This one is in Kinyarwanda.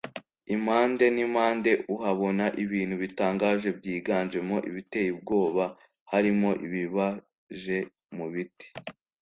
impande n’impande uhabona ibintu bitangaje byiganjemo ibiteye ubwoba; harimo ibibaje mu biti